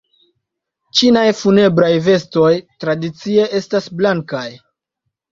Ĉinaj funebraj vestoj tradicie estas blankaj.